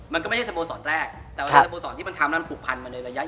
มันก็ไม่ใช่สโมสรแรกแต่ว่าสโมสรที่มันทำแล้วมันผูกพันมาในระยะ